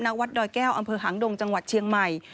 วัดดอยแก้วอำเภอหางดงจังหวัดเชียงใหม่